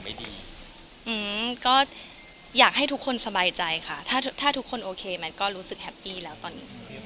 มีโอกาสได้คุยกับผู้หญิงได้ไหมครับพี่น้อง